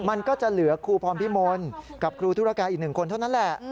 มันก็จะเหลือครูพรพิมลกับครูธุรการอีกหนึ่งคนเท่านั้นแหละ